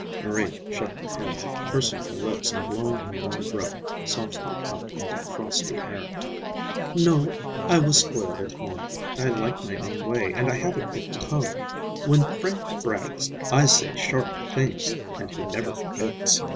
Marie shook her head, pursing her lips and blowing her warm breath softly out into the frosty air. "No; I was spoiled at home. I like my own way, and I have a quick tongue. When Frank brags, I say sharp things, and he never forgets.